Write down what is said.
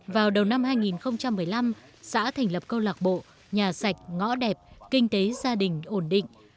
vào đầu năm hai nghìn một mươi năm xã thành lập câu lạc bộ nhà sạch ngõ đẹp kinh tế gia đình ổn định